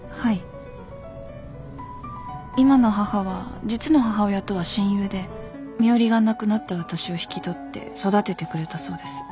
今の母は実の母親とは親友で身寄りがなくなった私を引き取って育ててくれたそうです。